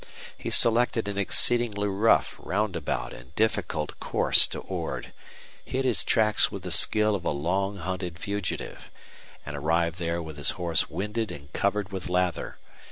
He selected an exceedingly rough, roundabout, and difficult course to Ord, hid his tracks with the skill of a long hunted fugitive, and arrived there with his horse winded and covered with lather.